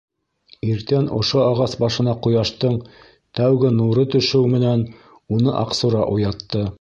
Иртән ошо ағас башына ҡояштың тәүге нуры төшөү менән уны Аҡсура уятты.